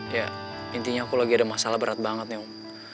ya intinya aku lagi ada masalah berat banget nih om